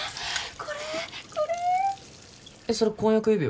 これこれえっそれ婚約指輪？